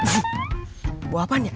buah apaan ya